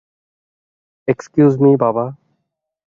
Excuse me, বাবা।